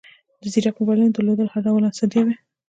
د زیرک موبایلونو درلودل هر ډول اسانتیاوې